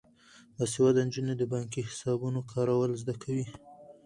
باسواده نجونې د بانکي حسابونو کارول زده کوي.